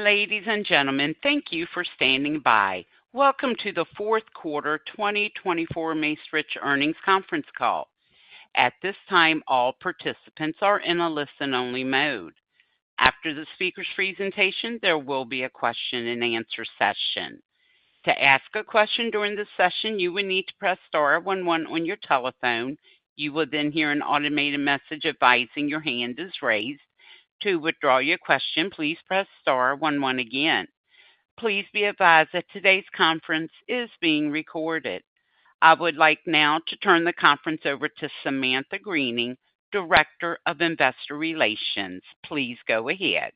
Ladies and gentlemen, thank you for standing by. Welcome to the fourth quarter 2024 Macerich Earnings Conference Call. At this time, all participants are in a listen-only mode. After the speaker's presentation, there will be a question-and-answer session. To ask a question during this session, you will need to press star 11 on your telephone. You will then hear an automated message advising your hand is raised. To withdraw your question, please press star 11 again. Please be advised that today's conference is being recorded. I would like now to turn the conference over to Samantha Greening, Director of Investor Relations. Please go ahead.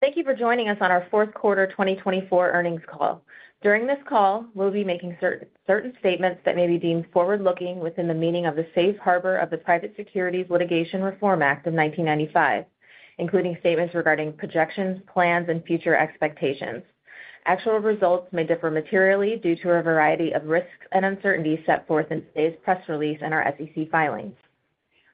Thank you for joining us on our Fourth Quarter 2024 Earnings Call. During this call, we'll be making certain statements that may be deemed forward-looking within the meaning of the Safe Harbor of the Private Securities Litigation Reform Act of 1995, including statements regarding projections, plans, and future expectations. Actual results may differ materially due to a variety of risks and uncertainties set forth in today's press release and our SEC filings.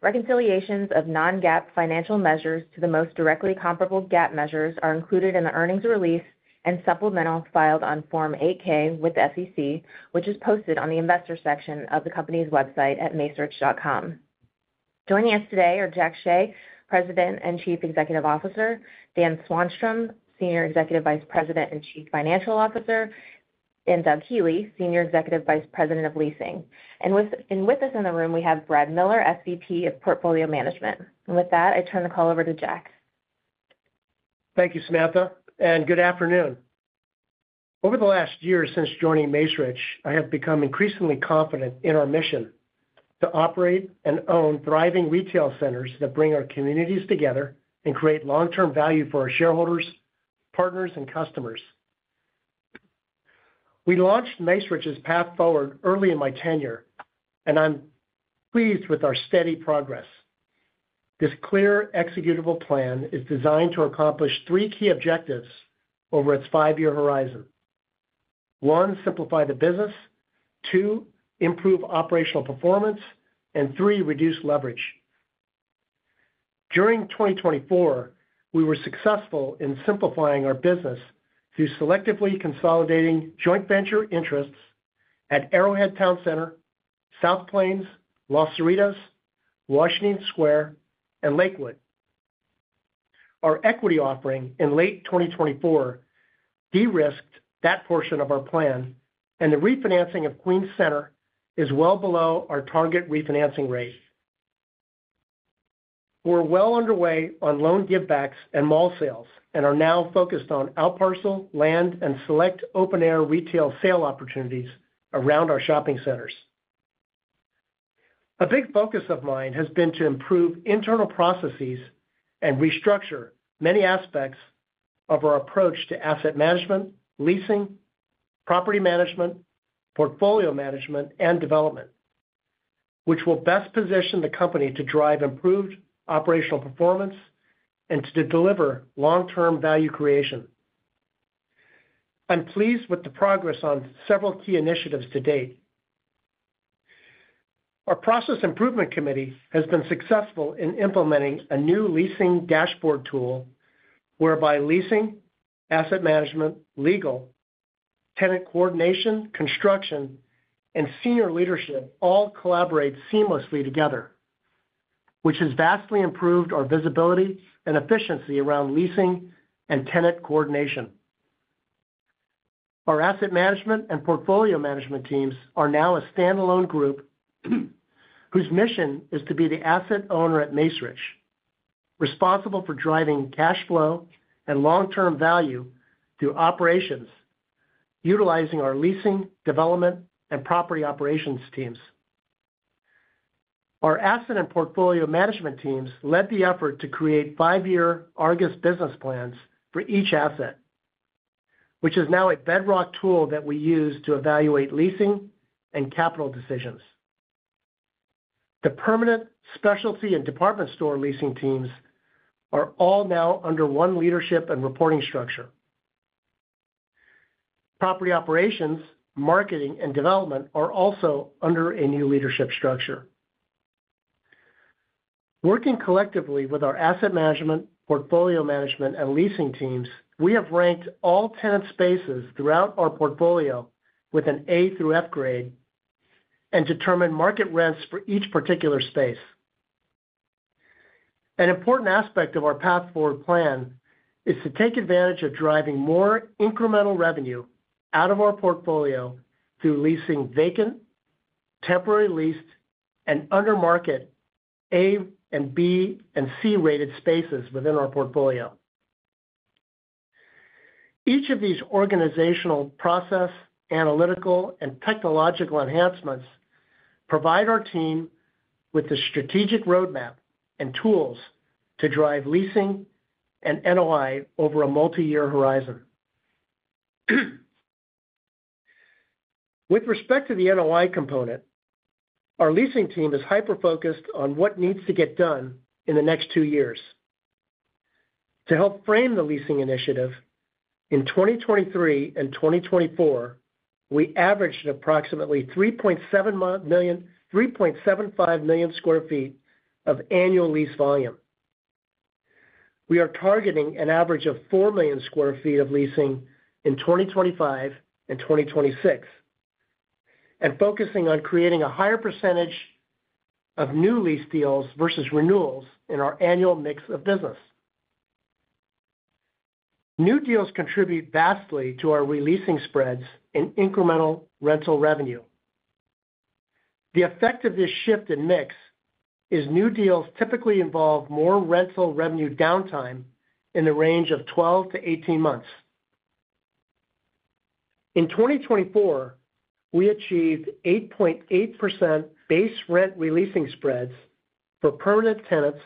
Reconciliations of non-GAAP financial measures to the most directly comparable GAAP measures are included in the earnings release and supplemental filed on Form 8-K with SEC, which is posted on the investor section of the company's website at macerich.com. Joining us today are Jack Hsieh, President and Chief Executive Officer, Dan Swanstrom, Senior Executive Vice President and Chief Financial Officer, and Doug Healey, Senior Executive Vice President of Leasing. With us in the room, we have Brad Miller, SVP of Portfolio Management. With that, I turn the call over to Jack. Thank you, Samantha, and good afternoon. Over the last year since joining Macerich, I have become increasingly confident in our mission to operate and own thriving retail centers that bring our communities together and create long-term value for our shareholders, partners, and customers. We launched Macerich's path forward early in my tenure, and I'm pleased with our steady progress. This clear, executable plan is designed to accomplish three key objectives over its five-year horizon: one, simplify the business; two, improve operational performance; and three, reduce leverage. During 2024, we were successful in simplifying our business through selectively consolidating joint venture interests at Arrowhead Towne Center, South Plains, Los Cerritos, Washington Square, and Lakewood. Our equity offering in late 2024 de-risked that portion of our plan, and the refinancing of Queens Center is well below our target refinancing rate. We're well underway on loan givebacks and mall sales and are now focused on outparcel, land, and select open-air retail sale opportunities around our shopping centers. A big focus of mine has been to improve internal processes and restructure many aspects of our approach to asset management, leasing, property management, portfolio management, and development, which will best position the company to drive improved operational performance and to deliver long-term value creation. I'm pleased with the progress on several key initiatives to date. Our Process Improvement Committee has been successful in implementing a new Leasing Dashboard tool whereby leasing, asset management, legal, tenant coordination, construction, and senior leadership all collaborate seamlessly together, which has vastly improved our visibility and efficiency around leasing and tenant coordination. Our asset management and portfolio management teams are now a standalone group whose mission is to be the asset owner at Macerich, responsible for driving cash flow and long-term value through operations utilizing our leasing, development, and property operations teams. Our asset and portfolio management teams led the effort to create five-year Argus business plans for each asset, which is now a bedrock tool that we use to evaluate leasing and capital decisions. The permanent specialty and department store leasing teams are all now under one leadership and reporting structure. Property operations, marketing, and development are also under a new leadership structure. Working collectively with our asset management, portfolio management, and leasing teams, we have ranked all tenant spaces throughout our portfolio with an A through F grade and determined market rents for each particular space. An important aspect of our path forward plan is to take advantage of driving more incremental revenue out of our portfolio through leasing vacant, temporary leased, and under-market A, B, and C-rated spaces within our portfolio. Each of these organizational process, analytical, and technological enhancements provides our team with the strategic roadmap and tools to drive leasing and NOI over a multi-year horizon. With respect to the NOI component, our leasing team is hyper-focused on what needs to get done in the next two years. To help frame the leasing initiative, in 2023 and 2024, we averaged approximately 3.75 million sq ft of annual lease volume. We are targeting an average of 4 million sq ft of leasing in 2025 and 2026 and focusing on creating a higher percentage of new lease deals versus renewals in our annual mix of business. New deals contribute vastly to our releasing spreads and incremental rental revenue. The effect of this shift in mix is new deals typically involve more rental revenue downtime in the range of 12-18 months. In 2024, we achieved 8.8% base rent releasing spreads for permanent tenants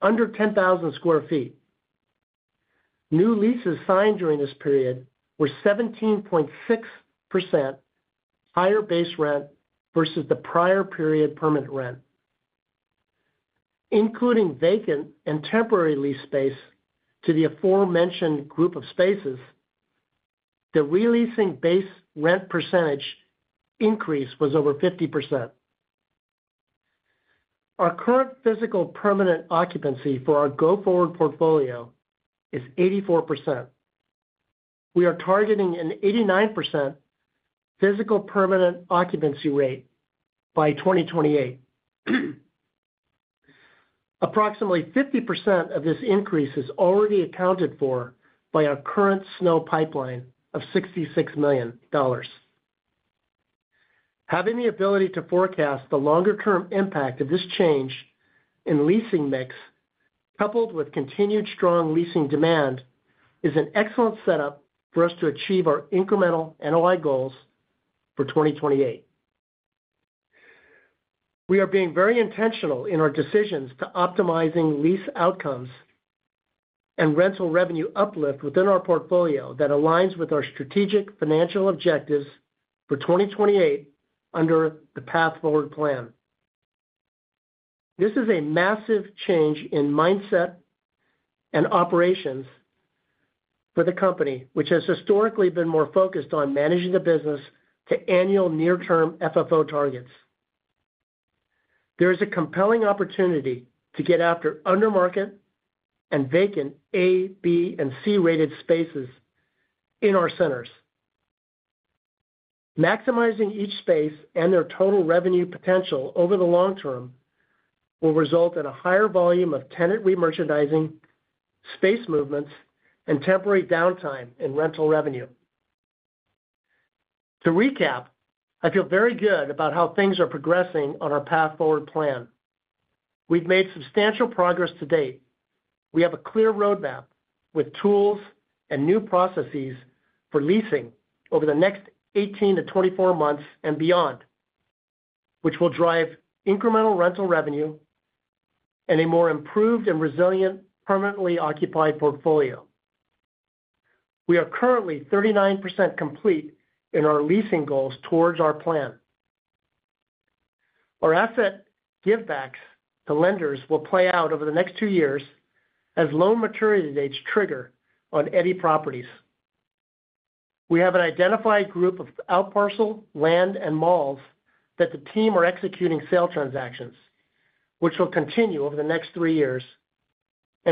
under 10,000 sq ft. New leases signed during this period were 17.6% higher base rent versus the prior period permanent rent. Including vacant and temporary lease space to the aforementioned group of spaces, the releasing base rent percentage increase was over 50%. Our current physical permanent occupancy for our go-forward portfolio is 84%. We are targeting an 89% physical permanent occupancy rate by 2028. Approximately 50% of this increase is already accounted for by our current SNO pipeline of $66 million. Having the ability to forecast the longer-term impact of this change in leasing mix, coupled with continued strong leasing demand, is an excellent setup for us to achieve our incremental NOI goals for 2028. We are being very intentional in our decisions to optimizing lease outcomes and rental revenue uplift within our portfolio that aligns with our strategic financial objectives for 2028 under the path forward plan. This is a massive change in mindset and operations for the company, which has historically been more focused on managing the business to annual near-term FFO targets. There is a compelling opportunity to get after under-market and vacant A, B, and C-rated spaces in our centers. Maximizing each space and their total revenue potential over the long term will result in a higher volume of tenant re-merchandising, space movements, and temporary downtime in rental revenue. To recap, I feel very good about how things are progressing on our path forward plan. We've made substantial progress to date. We have a clear roadmap with tools and new processes for leasing over the next 18-24 months and beyond, which will drive incremental rental revenue and a more improved and resilient permanently occupied portfolio. We are currently 39% complete in our leasing goals towards our plan. Our asset givebacks to lenders will play out over the next two years as loan maturity dates trigger on any properties. We have an identified group of outparcel, land, and malls that the team are executing sale transactions, which will continue over the next three years.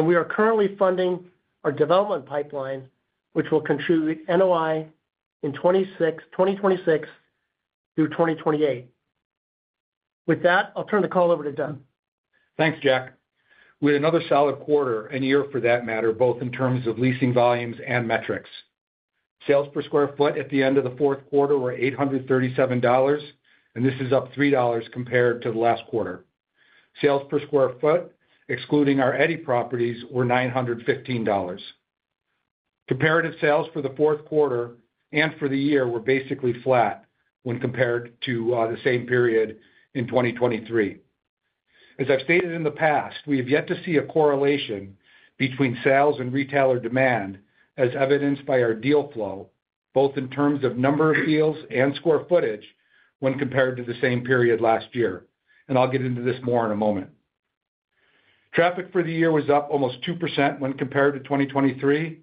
We are currently funding our development pipeline, which will contribute NOI in 2026-2028. With that, I'll turn the call over to Doug. Thanks, Jack. We had another solid quarter, a year for that matter, both in terms of leasing volumes and metrics. Sales per square foot at the end of the fourth quarter were $837, and this is up $3 compared to the last quarter. Sales per square foot, excluding our outparcel properties, were $915. Comparative sales for the fourth quarter and for the year were basically flat when compared to the same period in 2023. As I've stated in the past, we have yet to see a correlation between sales and retailer demand, as evidenced by our deal flow, both in terms of number of deals and square footage when compared to the same period last year. And I'll get into this more in a moment. Traffic for the year was up almost 2% when compared to 2023.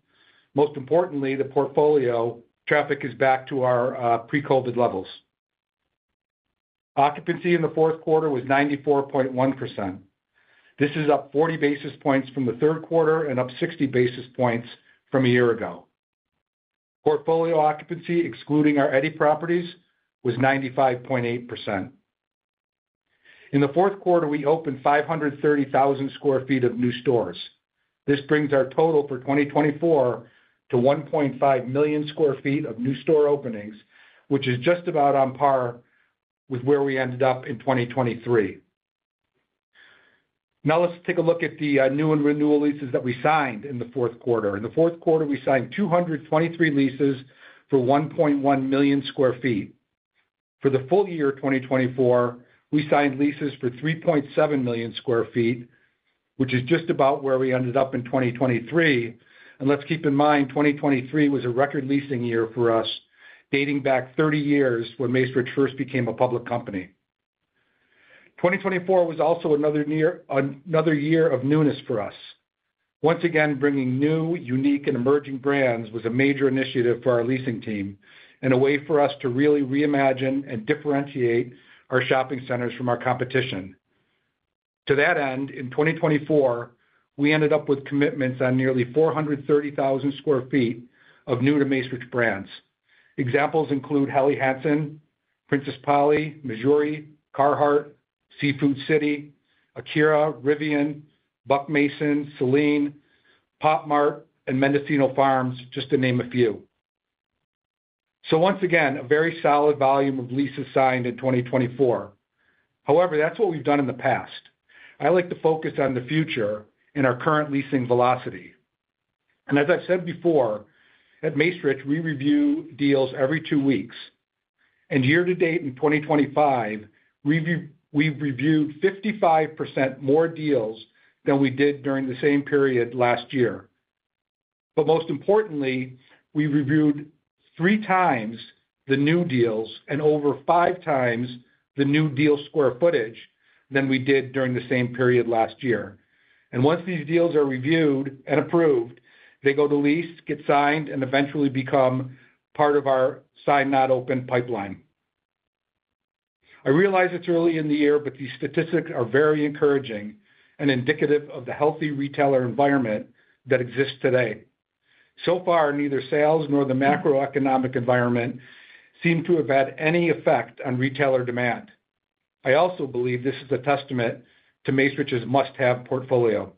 Most importantly, the portfolio traffic is back to our pre-COVID levels. Occupancy in the fourth quarter was 94.1%. This is up 40 basis points from the third quarter and up 60 basis points from a year ago. Portfolio occupancy, excluding our redev properties, was 95.8%. In the fourth quarter, we opened 530,000 sq ft of new stores. This brings our total for 2024 to 1.5 million sq ft of new store openings, which is just about on par with where we ended up in 2023. Now, let's take a look at the new and renewal leases that we signed in the fourth quarter. In the fourth quarter, we signed 223 leases for 1.1 million sq ft. For the full year 2024, we signed leases for 3.7 million sq ft, which is just about where we ended up in 2023. Let's keep in mind, 2023 was a record leasing year for us, dating back 30 years when Macerich first became a public company. 2024 was also another year of newness for us. Once again, bringing new, unique, and emerging brands was a major initiative for our leasing team and a way for us to really reimagine and differentiate our shopping centers from our competition. To that end, in 2024, we ended up with commitments on nearly 430,000 sq ft of new to Macerich brands. Examples include Helly Hansen, Princess Polly, Mejuri, Carhartt, Seafood City, Akira, Rivian, Buck Mason, Celine, Pop Mart, and Mendocino Farms, just to name a few. So once again, a very solid volume of leases signed in 2024. However, that's what we've done in the past. I like to focus on the future and our current leasing velocity. As I've said before, at Macerich, we review deals every two weeks. Year to date in 2025, we've reviewed 55% more deals than we did during the same period last year. Most importantly, we reviewed three times the new deals and over five times the new deal square footage than we did during the same period last year. Once these deals are reviewed and approved, they go to lease, get signed, and eventually become part of our signed-not-opened pipeline. I realize it's early in the year, but these statistics are very encouraging and indicative of the healthy retailer environment that exists today. So far, neither sales nor the macroeconomic environment seem to have had any effect on retailer demand. I also believe this is a testament to Macerich's must-have portfolio.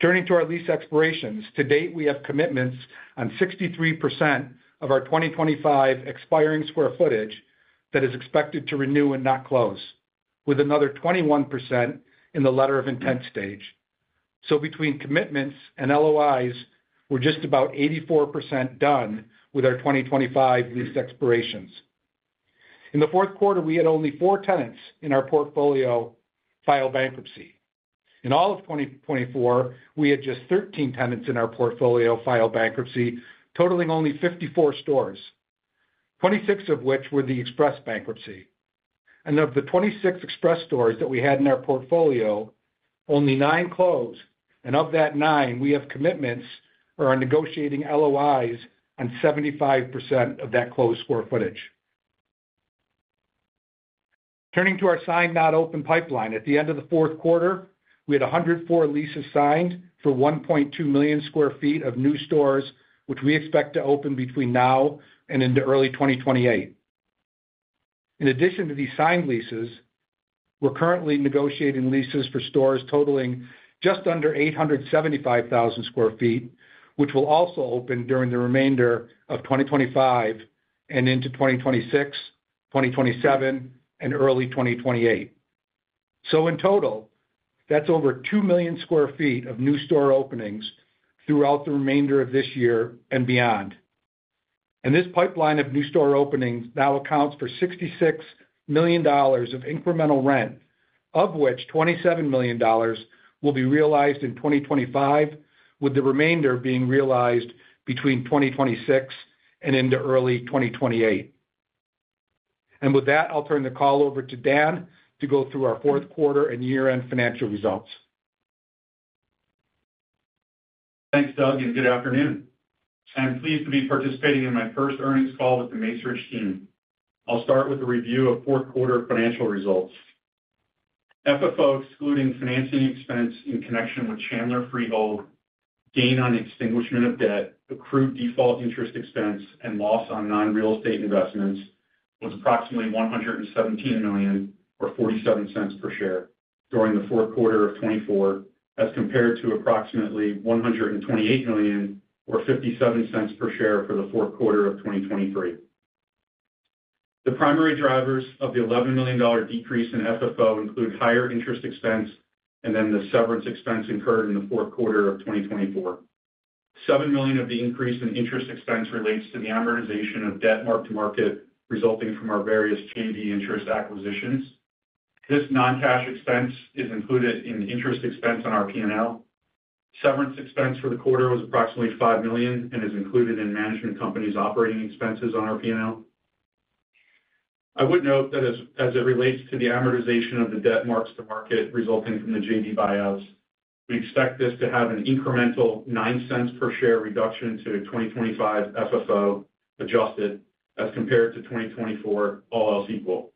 Turning to our lease expirations, to date, we have commitments on 63% of our 2025 expiring square footage that is expected to renew and not close, with another 21% in the letter of intent stage, so between commitments and LOIs, we're just about 84% done with our 2025 lease expirations. In the fourth quarter, we had only four tenants in our portfolio file bankruptcy. In all of 2024, we had just 13 tenants in our portfolio file bankruptcy, totaling only 54 stores, 26 of which were the Express bankruptcy, and of the 26 Express stores that we had in our portfolio, only nine closed, and of that nine, we have commitments or are negotiating LOIs on 75% of that closed square footage. Turning to our signed-not-opened pipeline, at the end of the fourth quarter, we had 104 leases signed for 1.2 million sq ft of new stores, which we expect to open between now and into early 2028. In addition to these signed leases, we're currently negotiating leases for stores totaling just under 875,000 sq ft, which will also open during the remainder of 2025 and into 2026, 2027, and early 2028. So in total, that's over 2 million sq ft of new store openings throughout the remainder of this year and beyond. And this pipeline of new store openings now accounts for $66 million of incremental rent, of which $27 million will be realized in 2025, with the remainder being realized between 2026 and into early 2028. And with that, I'll turn the call over to Dan to go through our fourth quarter and year-end financial results. Thanks, Doug, and good afternoon. I'm pleased to be participating in my first earnings call with the Macerich team. I'll start with a review of fourth quarter financial results. FFO, excluding financing expense in connection with Chandler Freehold, gain on extinguishment of debt, accrued default interest expense, and loss on non-real estate investments was approximately $117 million, or $0.47 per share, during the fourth quarter of 2024, as compared to approximately $128 million, or $0.57 per share, for the fourth quarter of 2023. The primary drivers of the $11 million decrease in FFO include higher interest expense and then the severance expense incurred in the fourth quarter of 2024. $7 million of the increase in interest expense relates to the amortization of debt mark-to-market resulting from our various JV interest acquisitions. This non-cash expense is included in the interest expense on our P&L. Severance expense for the quarter was approximately $5 million and is included in management company's operating expenses on our P&L. I would note that as it relates to the amortization of the debt mark-to-market resulting from the JV buyouts, we expect this to have an incremental $0.09 per share reduction to 2025 FFO adjusted as compared to 2024, all else equal.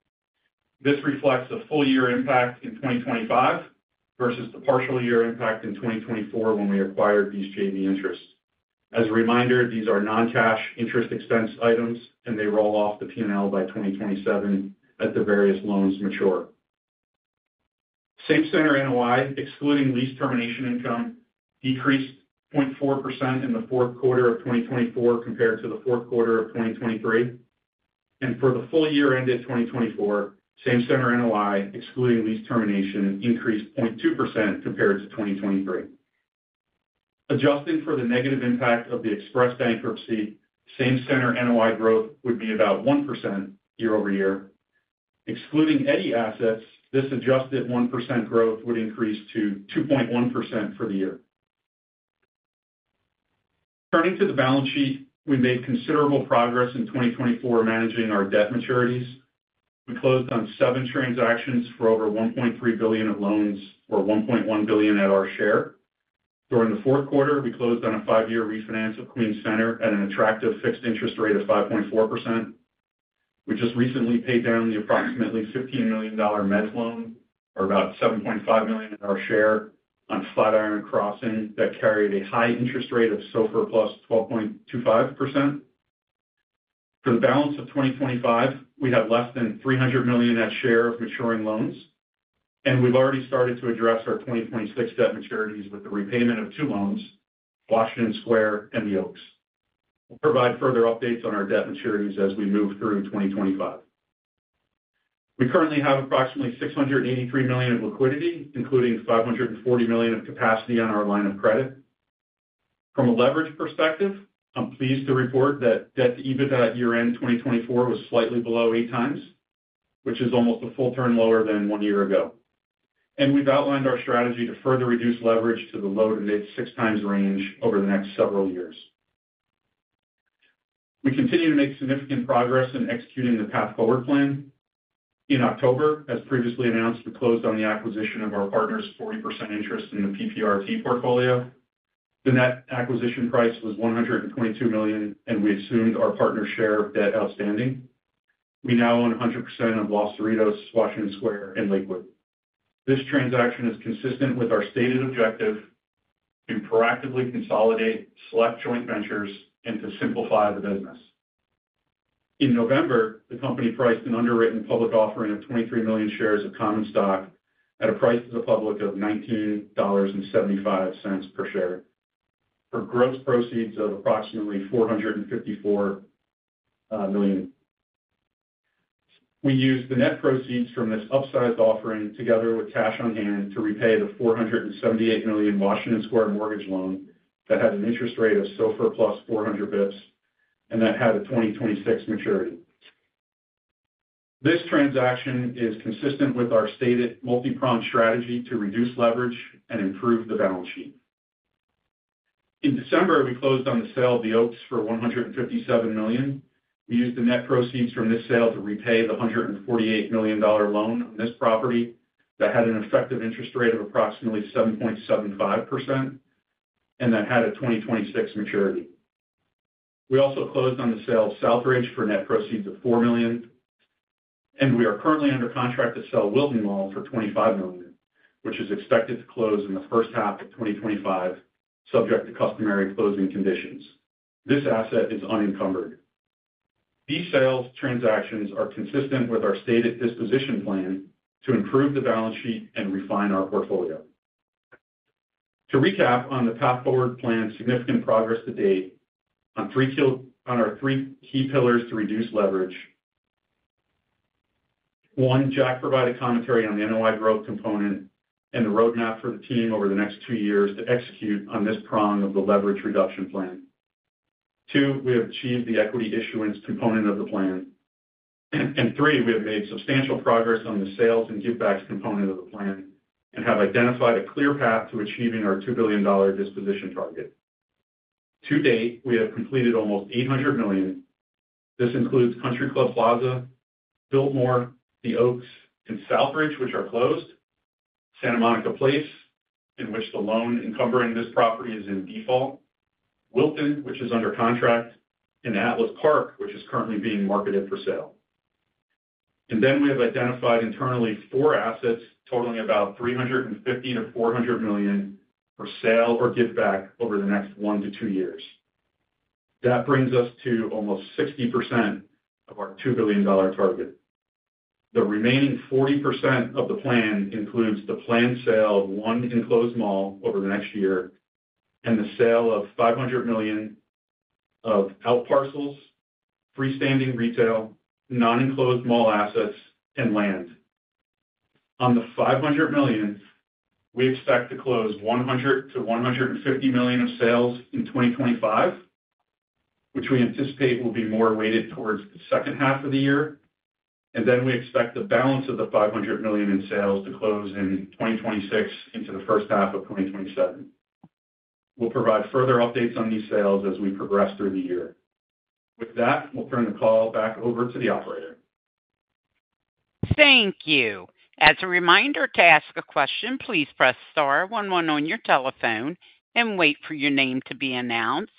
This reflects a full year impact in 2025 versus the partial year impact in 2024 when we acquired these JV interests. As a reminder, these are non-cash interest expense items, and they roll off the P&L by 2027 as the various loans mature. Same center NOI, excluding lease termination income, decreased 0.4% in the fourth quarter of 2024 compared to the fourth quarter of 2023, and for the full year ended 2024, same center NOI, excluding lease termination, increased 0.2% compared to 2023. Adjusting for the negative impact of the Express bankruptcy, same center NOI growth would be about 1% year over year. Excluding legacy assets, this adjusted 1% growth would increase to 2.1% for the year. Turning to the balance sheet, we made considerable progress in 2024 managing our debt maturities. We closed on seven transactions for over $1.3 billion of loans, or $1.1 billion at our share. During the fourth quarter, we closed on a five-year refinance of Queens Center at an attractive fixed interest rate of 5.4%. We just recently paid down the approximately $15 million mezzanine loan, or about $7.5 million at our share, on FlatIron Crossing that carried a high interest rate of SOFR plus 12.25%. For the balance of 2025, we have less than $300 million at share of maturing loans. We've already started to address our 2026 debt maturities with the repayment of two loans, Washington Square and The Oaks. We'll provide further updates on our debt maturities as we move through 2025. We currently have approximately $683 million of liquidity, including $540 million of capacity on our line of credit. From a leverage perspective, I'm pleased to report that debt to EBITDA year-end 2024 was slightly below eight times, which is almost a full turn lower than one year ago. We've outlined our strategy to further reduce leverage to the low-to-mid six times range over the next several years. We continue to make significant progress in executing the path forward plan. In October, as previously announced, we closed on the acquisition of our partner's 40% interest in the PPRT portfolio. The net acquisition price was $122 million, and we assumed our partner's share of debt outstanding. We now own 100% of Los Cerritos, Washington Square, and Lakewood. This transaction is consistent with our stated objective to proactively consolidate select joint ventures and to simplify the business. In November, the company priced an underwritten public offering of 23 million shares of Common Stock at a price to the public of $19.75 per share for gross proceeds of approximately $454 million. We used the net proceeds from this upsized offering together with cash on hand to repay the $478 million Washington Square mortgage loan that had an interest rate of SOFR plus 400 basis points and that had a 2026 maturity. This transaction is consistent with our stated multi-pronged strategy to reduce leverage and improve the balance sheet. In December, we closed on the sale of the Oaks for $157 million. We used the net proceeds from this sale to repay the $148 million loan on this property that had an effective interest rate of approximately 7.75% and that had a 2026 maturity. We also closed on the sale of Southridge for net proceeds of $4 million. We are currently under contract to sell Wilton Mall for $25 million, which is expected to close in the first half of 2025, subject to customary closing conditions. This asset is unencumbered. These sales transactions are consistent with our stated disposition plan to improve the balance sheet and refine our portfolio. To recap on the Path Forward plan, significant progress to date on our three key pillars to reduce leverage. One, Jack provided commentary on the NOI growth component and the roadmap for the team over the next two years to execute on this prong of the leverage reduction plan. Two, we have achieved the equity issuance component of the plan. And three, we have made substantial progress on the sales and givebacks component of the plan and have identified a clear path to achieving our $2 billion disposition target. To date, we have completed almost $800 million. This includes Country Club Plaza, Biltmore, The Oaks, and Southridge, which are closed, Santa Monica Place, in which the loan encumbering this property is in default, Wilton, which is under contract, and Atlas Park, which is currently being marketed for sale. And then we have identified internally four assets totaling about $350 million-$400 million for sale or give-back over the next one to two years. That brings us to almost 60% of our $2 billion target. The remaining 40% of the plan includes the planned sale of one enclosed mall over the next year and the sale of $500 million of outparcels, freestanding retail, non-enclosed mall assets, and land. On the $500 million, we expect to close $100 million-$150 million of sales in 2025, which we anticipate will be more weighted towards the second half of the year, and then we expect the balance of the $500 million in sales to close in 2026 into the first half of 2027. We'll provide further updates on these sales as we progress through the year. With that, we'll turn the call back over to the operator. Thank you. As a reminder to ask a question, please press star one one on your telephone and wait for your name to be announced.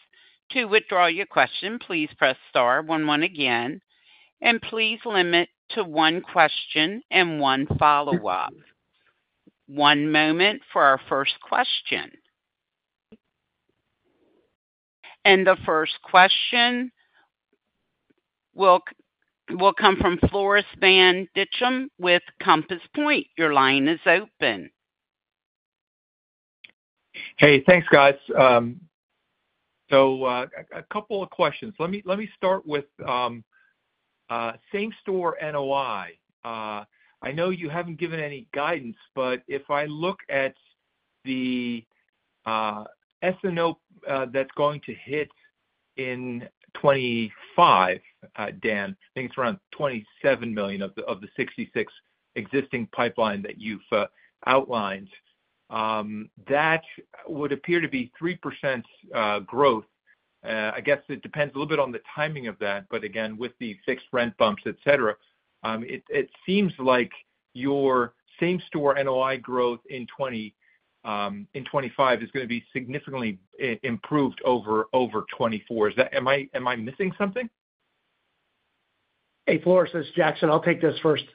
To withdraw your question, please press star one one again. And please limit to one question and one follow-up. One moment for our first question. And the first question will come from Floris van Dijkum with Compass Point. Your line is open. Hey, thanks, guys. So a couple of questions. Let me start with same store NOI. I know you haven't given any guidance, but if I look at the SNO that's going to hit in 2025, Dan, I think it's around $27 million of the $66 million existing pipeline that you've outlined. That would appear to be 3% growth. I guess it depends a little bit on the timing of that, but again, with the fixed rent bumps, etc., it seems like your same store NOI growth in 2025 is going to be significantly improved over 2024. Am I missing something? Hey, Floris, this is Jackson. I'll take this first.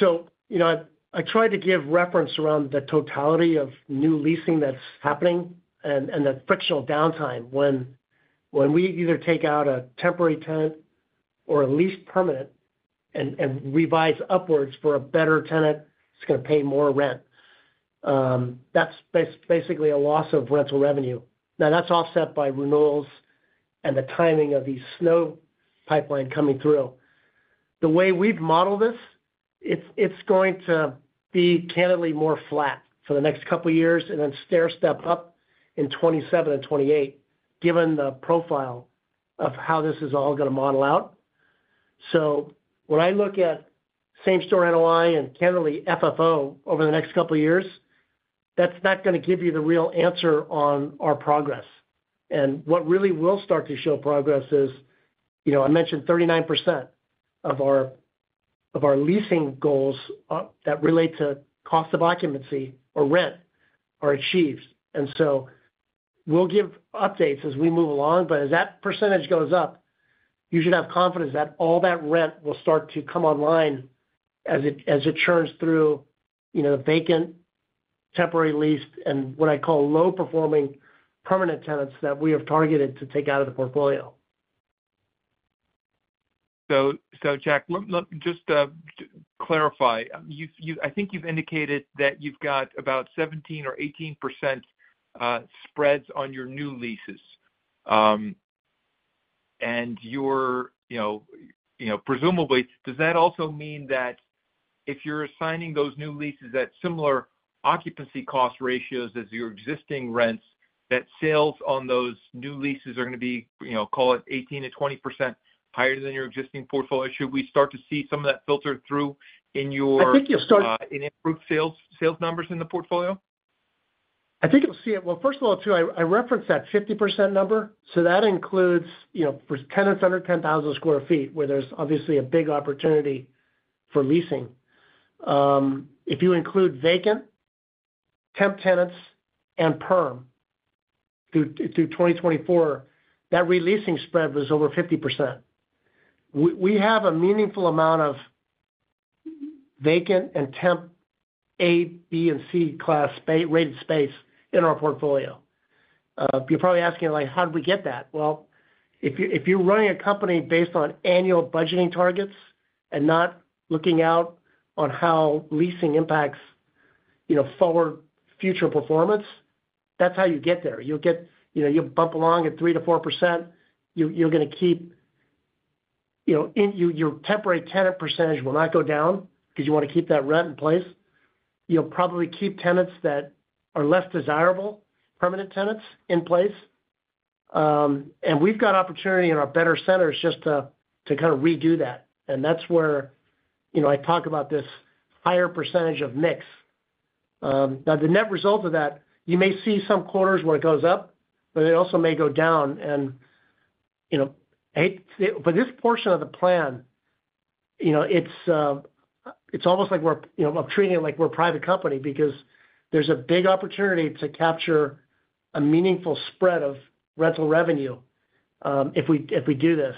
So I tried to give reference around the totality of new leasing that's happening and the frictional downtime when we either take out a temporary tenant or a lease permanent and revise upwards for a better tenant who's going to pay more rent. That's basically a loss of rental revenue. Now, that's offset by renewals and the timing of the SNO pipeline coming through. The way we've modeled this, it's going to be candidly more flat for the next couple of years and then stair-step up in 2027 and 2028, given the profile of how this is all going to model out. So when I look at same store NOI and candidly FFO over the next couple of years, that's not going to give you the real answer on our progress. What really will start to show progress is I mentioned 39% of our leasing goals that relate to cost of occupancy or rent are achieved. We'll give updates as we move along, but as that percentage goes up, you should have confidence that all that rent will start to come online as it churns through the vacant, temporary leased, and what I call low-performing permanent tenants that we have targeted to take out of the portfolio. So Jack, just to clarify, I think you've indicated that you've got about 17 or 18% spreads on your new leases. And presumably, does that also mean that if you're assigning those new leases at similar occupancy cost ratios as your existing rents, that sales on those new leases are going to be, call it, 18% to 20% higher than your existing portfolio? Should we start to see some of that filtered through in your. I think you'll start. Any improved sales numbers in the portfolio? I think you'll see it. First of all, too, I referenced that 50% number. So that includes for tenants under 10,000 sq ft, where there's obviously a big opportunity for leasing. If you include vacant, temp tenants, and perm through 2024, that releasing spread was over 50%. We have a meaningful amount of vacant and temp A-rated, B-rated, and C-rated space in our portfolio. You're probably asking, "How did we get that?" If you're running a company based on annual budgeting targets and not looking out on how leasing impacts forward future performance, that's how you get there. You'll bump along at 3%-4%. You're going to keep your temporary tenant percentage will not go down because you want to keep that rent in place. You'll probably keep tenants that are less desirable, permanent tenants, in place. And we've got opportunity in our better centers just to kind of redo that. And that's where I talk about this higher percentage of mix. Now, the net result of that, you may see some quarters where it goes up, but it also may go down. And for this portion of the plan, it's almost like we're treating it like we're a private company because there's a big opportunity to capture a meaningful spread of rental revenue if we do this.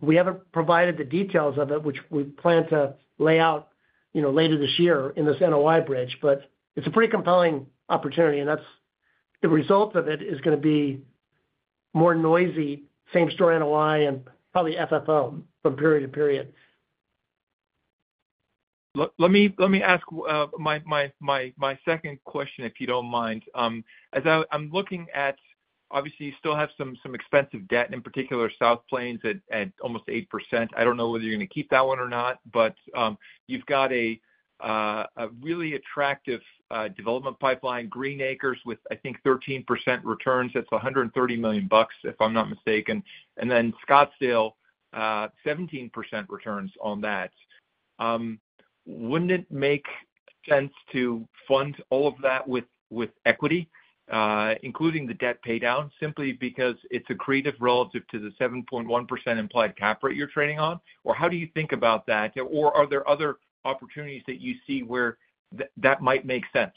We haven't provided the details of it, which we plan to lay out later this year in this NOI bridge, but it's a pretty compelling opportunity. And the result of it is going to be more noisy same store NOI and probably FFO from period to period. Let me ask my second question, if you don't mind. I'm looking at, obviously, you still have some expensive debt, in particular, South Plains at almost 8%. I don't know whether you're going to keep that one or not, but you've got a really attractive development pipeline, Green Acres with, I think, 13% returns. That's $130 million, if I'm not mistaken. And then Scottsdale, 17% returns on that. Wouldn't it make sense to fund all of that with equity, including the debt paydown, simply because it's accretive relative to the 7.1% implied cap rate you're trading on? Or how do you think about that? Or are there other opportunities that you see where that might make sense?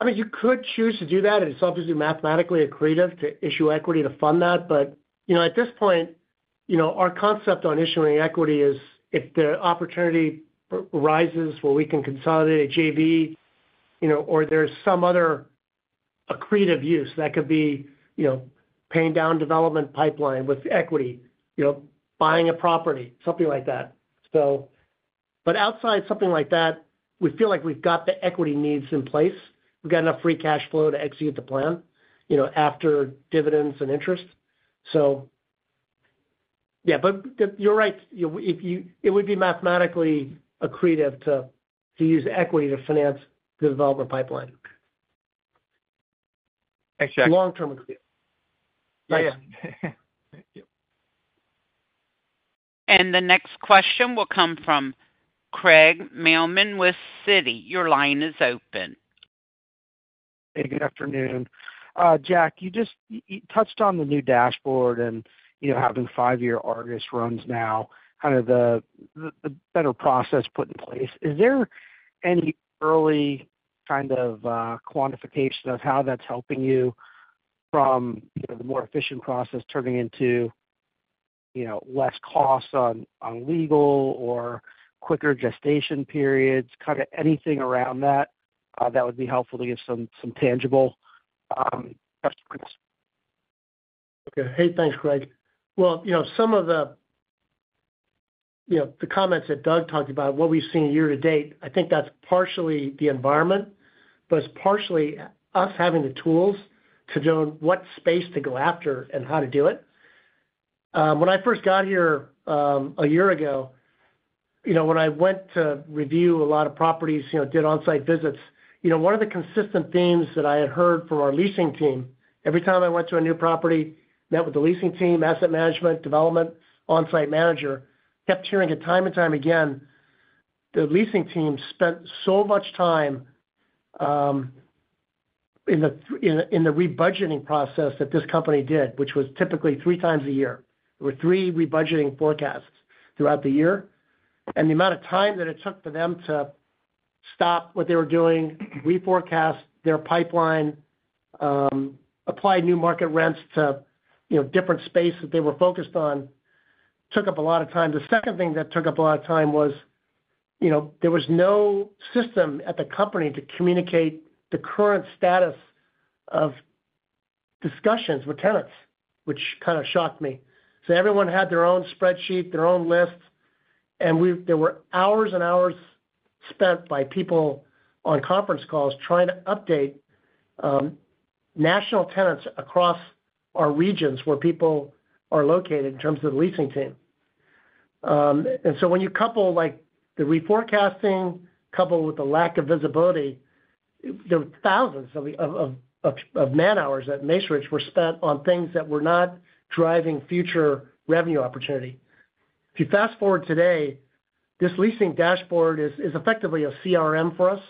I mean, you could choose to do that. It's obviously mathematically accretive to issue equity to fund that. But at this point, our concept on issuing equity is if the opportunity arises where we can consolidate a JV or there's some other accretive use, that could be paying down development pipeline with equity, buying a property, something like that. But outside something like that, we feel like we've got the equity needs in place. We've got enough free cash flow to execute the plan after dividends and interest. So yeah, but you're right. It would be mathematically accretive to use equity to finance the development pipeline. Exactly. Long-term accretive. Yeah. And the next question will come from Craig Mailman with Citi. Your line is open. Hey, good afternoon. Jack, you touched on the new dashboard and having five-year Argus runs now, kind of the better process put in place. Is there any early kind of quantification of how that's helping you from the more efficient process turning into less cost on legal or quicker gestation periods, kind of anything around that that would be helpful to give some tangible estimates? Okay. Hey, thanks, Craig. Well, some of the comments that Doug talked about, what we've seen year to date, I think that's partially the environment, but it's partially us having the tools to know what space to go after and how to do it. When I first got here a year ago, when I went to review a lot of properties, did on-site visits, one of the consistent themes that I had heard from our leasing team, every time I went to a new property, met with the leasing team, asset management, development, on-site manager, kept hearing it time and time again, the leasing team spent so much time in the rebudgeting process that this company did, which was typically three times a year. There were three rebudgeting forecasts throughout the year. And the amount of time that it took for them to stop what they were doing, reforecast their pipeline, apply new market rents to different spaces they were focused on, took up a lot of time. The second thing that took up a lot of time was there was no system at the company to communicate the current status of discussions with tenants, which kind of shocked me. So everyone had their own spreadsheet, their own list, and there were hours and hours spent by people on conference calls trying to update national tenants across our regions where people are located in terms of the leasing team. And so when you couple the reforecasting coupled with the lack of visibility, there were thousands of man-hours at Macerich were spent on things that were not driving future revenue opportunity. If you fast forward today, this Leasing Dashboard is effectively a CRM for us.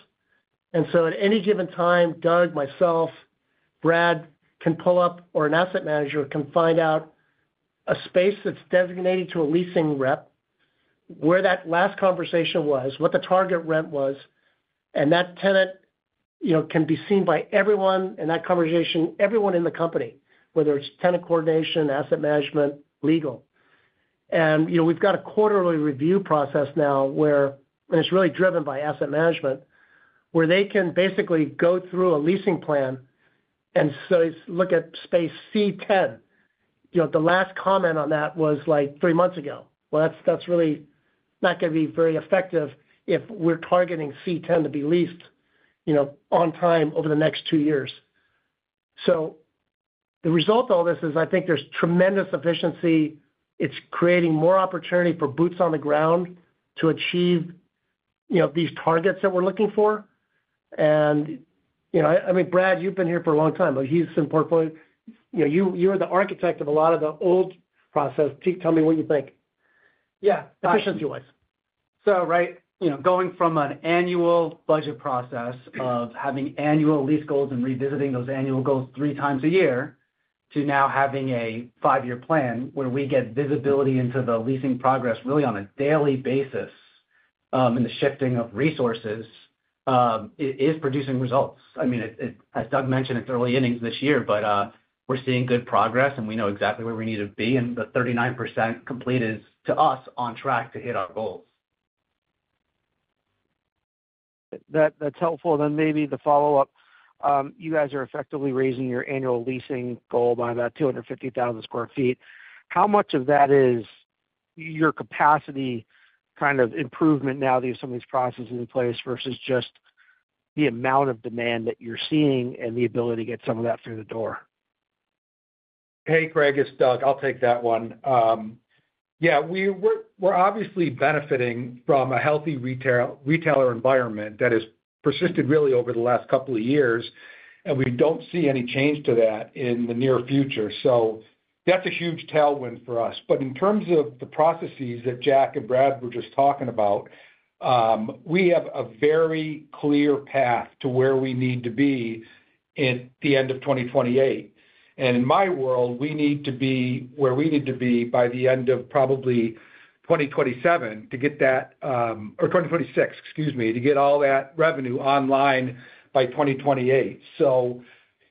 And so at any given time, Doug, myself, Brad can pull up, or an asset manager can find out a space that's designated to a leasing rep, where that last conversation was, what the target rent was, and that tenant can be seen by everyone in that conversation, everyone in the company, whether it's tenant coordination, asset management, legal. And we've got a quarterly review process now, and it's really driven by asset management, where they can basically go through a leasing plan and say, "Look at space C10." The last comment on that was like three months ago. Well, that's really not going to be very effective if we're targeting C10 to be leased on time over the next two years. So the result of all this is I think there's tremendous efficiency. It's creating more opportunity for boots on the ground to achieve these targets that we're looking for. And I mean, Brad, you've been here for a long time, but he's in portfolio. You were the architect of a lot of the old process. Tell me what you think. Yeah. Efficiency-wise. So right, going from an annual budget process of having annual lease goals and revisiting those annual goals three times a year to now having a five-year plan where we get visibility into the leasing progress really on a daily basis and the shifting of resources is producing results. I mean, as Doug mentioned, it's early innings this year, but we're seeing good progress, and we know exactly where we need to be, and the 39% complete is, to us, on track to hit our goals. That's helpful. Then maybe the follow-up. You guys are effectively raising your annual leasing goal by about 250,000 sq ft. How much of that is your capacity kind of improvement now that you have some of these processes in place versus just the amount of demand that you're seeing and the ability to get some of that through the door? Hey, Craig, it's Doug. I'll take that one. Yeah. We're obviously benefiting from a healthy retailer environment that has persisted really over the last couple of years, and we don't see any change to that in the near future. So that's a huge tailwind for us. But in terms of the processes that Jack and Brad were just talking about, we have a very clear path to where we need to be at the end of 2028. And in my world, we need to be where we need to be by the end of probably 2027 to get that or 2026, excuse me, to get all that revenue online by 2028. So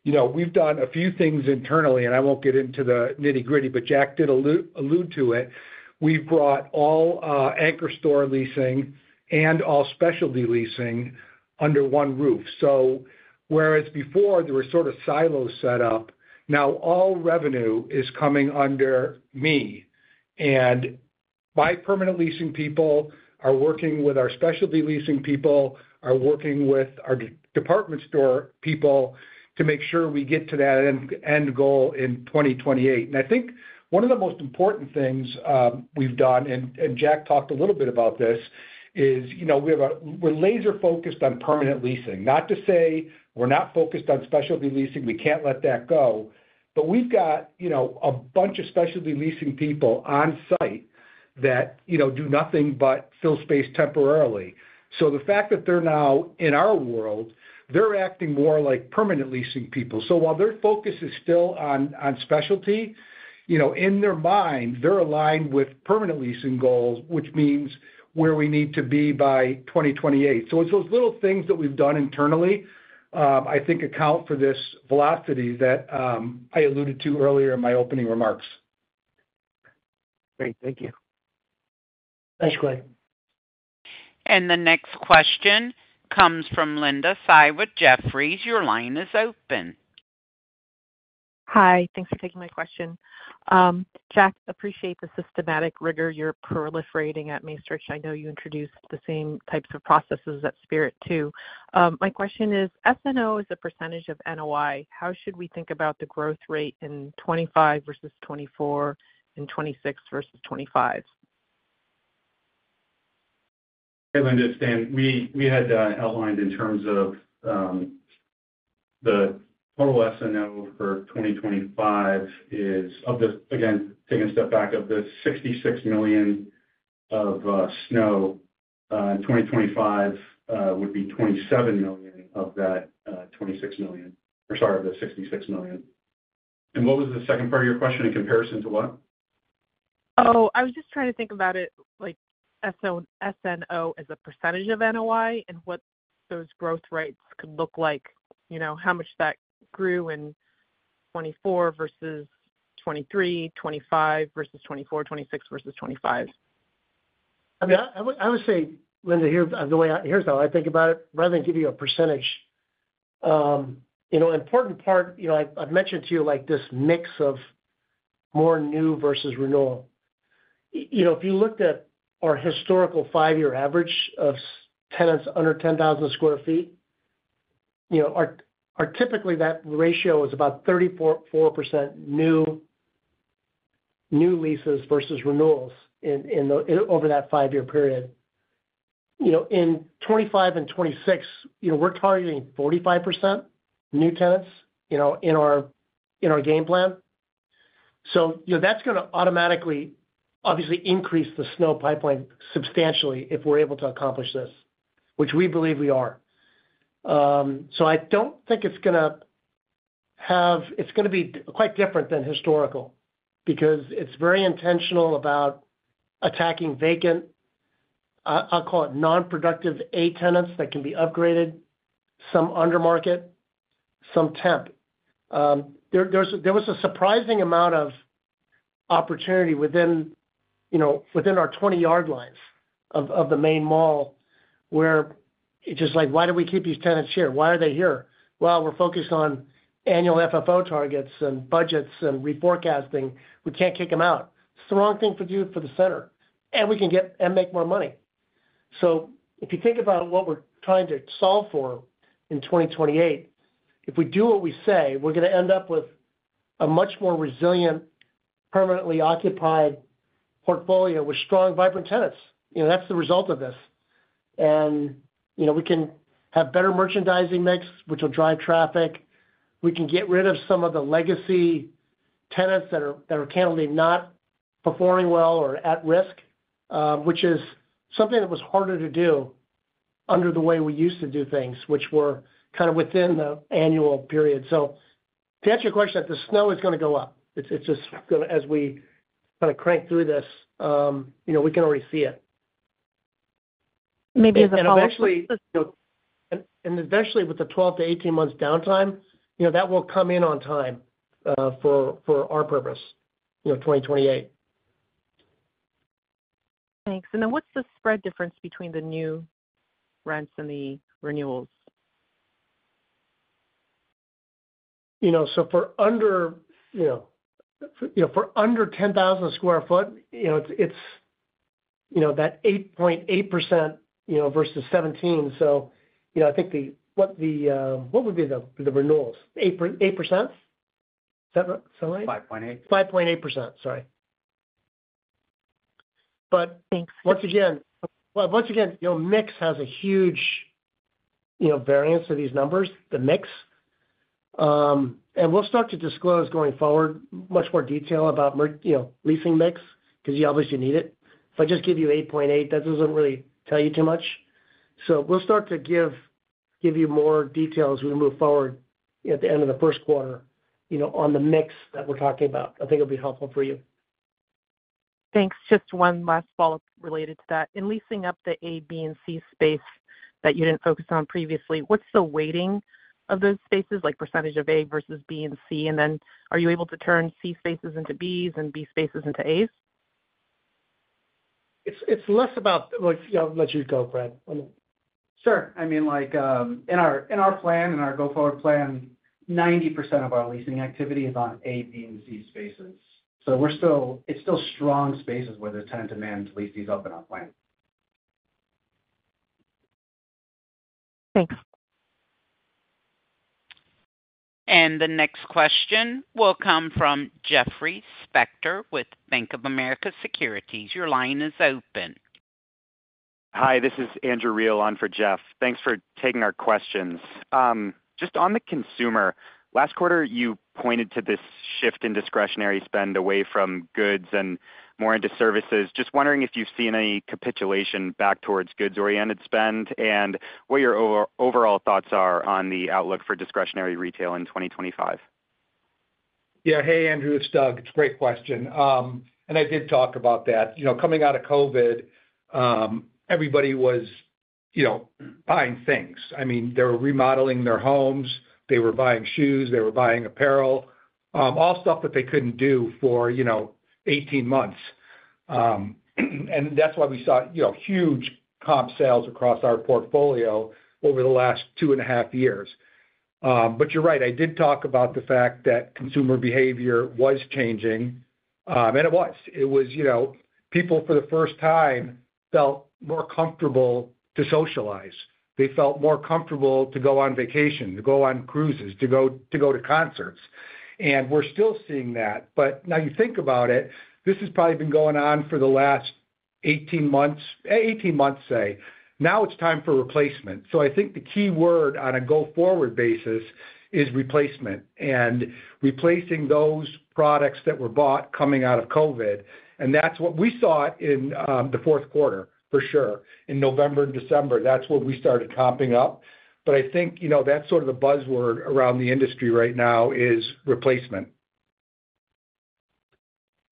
we've done a few things internally, and I won't get into the nitty-gritty, but Jack did allude to it. We've brought all anchor store leasing and all specialty leasing under one roof. So whereas before there were sort of silos set up, now all revenue is coming under me. And my permanent leasing people are working with our specialty leasing people, are working with our department store people to make sure we get to that end goal in 2028. And I think one of the most important things we've done, and Jack talked a little bit about this, is we're laser-focused on permanent leasing. Not to say we're not focused on specialty leasing. We can't let that go. But we've got a bunch of specialty leasing people on site that do nothing but fill space temporarily. So the fact that they're now in our world, they're acting more like permanent leasing people. So while their focus is still on specialty, in their mind, they're aligned with permanent leasing goals, which means where we need to be by 2028. So it's those little things that we've done internally, I think, account for this velocity that I alluded to earlier in my opening remarks. Great. Thank you. Thanks, Craig. The next question comes from Linda Tsai from Jefferies. Your line is open. Hi. Thanks for taking my question. Jack, appreciate the systematic rigor you're proliferating at Macerich. I know you introduced the same types of processes at Spirit too. My question is, SNO is a percentage of NOI. How should we think about the growth rate in 2025 versus 2024 and 2026 versus 2025? Hey, Linda. We had outlined in terms of the total SNO for 2025 is, again, taking a step back, of the $66 million of SNO in 2025 would be $27 million of that $26 million or sorry, of the $66 million. And what was the second part of your question in comparison to what? Oh, I was just trying to think about it like SNO as a percentage of NOI and what those growth rates could look like, how much that grew in 2024 versus 2023, 2025 versus 2024, 2026 versus 2025. I mean, I would say, Linda, here's how I think about it. Rather than give you a percentage, an important part I've mentioned to you this mix of more new versus renewal. If you looked at our historical five-year average of tenants under 10,000 sq ft, typically that ratio is about 34% new leases versus renewals over that five-year period. In 2025 and 2026, we're targeting 45% new tenants in our game plan. So that's going to automatically, obviously, increase the SNO pipeline substantially if we're able to accomplish this, which we believe we are. So I don't think it's going to have. It's going to be quite different than historical because it's very intentional about attacking vacant, I'll call it non-productive A tenants that can be upgraded, some under-market, some temp. There was a surprising amount of opportunity within our 20-yard lines of the main mall where it's just like, "Why do we keep these tenants here? Why are they here?" Well, we're focused on annual FFO targets and budgets and reforecasting. We can't kick them out. It's the wrong thing to do for the center. And we can get and make more money. So if you think about what we're trying to solve for in 2028, if we do what we say, we're going to end up with a much more resilient, permanently occupied portfolio with strong, vibrant tenants. That's the result of this. And we can have better merchandising mix, which will drive traffic. We can get rid of some of the legacy tenants that are candidly not performing well or at risk, which is something that was harder to do under the way we used to do things, which were kind of within the annual period. So to answer your question, the SNO is going to go up. It's just going to, as we kind of crank through this, we can already see it. Maybe the 12th to. Eventually, with the 12-18 months downtime, that will come in on time for our purpose, 2028. Thanks. And then what's the spread difference between the new rents and the renewals? So for under 10,000 sq ft, it's that 8.8% versus 17%. So I think what would be the renewals? 8%? Is that right? 5.8%. 5.8%. Sorry. Thanks. But once again, your mix has a huge variance of these numbers, the mix. And we'll start to disclose going forward much more detail about leasing mix because you obviously need it. If I just give you 8.8%, that doesn't really tell you too much. So we'll start to give you more details as we move forward at the end of the first quarter on the mix that we're talking about. I think it'll be helpful for you. Thanks. Just one last follow-up related to that. In leasing up the A, B, and C space that you didn't focus on previously, what's the weighting of those spaces, like percentage of A versus B and C? And then are you able to turn C spaces into Bs and B spaces into A's? It's less about letting you go, Brad. Sure. I mean, in our plan, in our go-forward plan, 90% of our leasing activity is on A, B, and C spaces. So it's still strong spaces where there's tenant demand to lease these up in our plan. Thanks. And the next question will come from Jeffrey Spector with Bank of America Securities. Your line is open. Hi, this is Andrew Reale on for Jeff. Thanks for taking our questions. Just on the consumer, last quarter, you pointed to this shift in discretionary spend away from goods and more into services. Just wondering if you've seen any capitulation back towards goods-oriented spend and what your overall thoughts are on the outlook for discretionary retail in 2025. Yeah. Hey, Andrew, it's Doug. It's a great question, and I did talk about that. Coming out of COVID, everybody was buying things. I mean, they were remodeling their homes. They were buying shoes. They were buying apparel, all stuff that they couldn't do for 18 months, and that's why we saw huge comp sales across our portfolio over the last two and a half years, but you're right. I did talk about the fact that consumer behavior was changing, and it was. It was people for the first time felt more comfortable to socialize. They felt more comfortable to go on vacation, to go on cruises, to go to concerts, and we're still seeing that, but now you think about it, this has probably been going on for the last 18 months, say. Now it's time for replacement. I think the key word on a go-forward basis is replacement and replacing those products that were bought coming out of COVID. That's what we saw in the fourth quarter, for sure. In November and December, that's where we started comping up. I think that's sort of the buzzword around the industry right now is replacement.